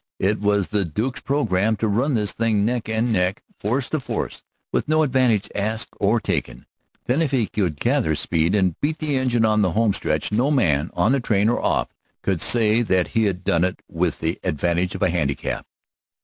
It was the Duke's program to run this thing neck and neck, force to force, with no advantage asked or taken. Then if he could gather speed and beat the engine on the home stretch no man, on the train or off, could say that he had done it with the advantage of a handicap.